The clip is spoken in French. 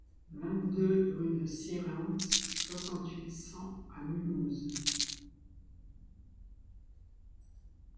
vingt-deux rue de Sierentz, soixante-huit, cent à Mulhouse